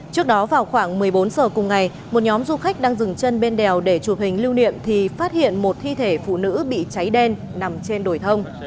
trước đó vào khoảng một mươi bốn h cùng ngày một nhóm du khách đang dừng chân bên đèo để chụp hình lưu niệm thì phát hiện một thi thể phụ nữ bị cháy đen nằm trên đồi thông